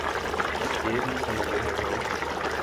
یہ بھی سمجھ رہے ہوں۔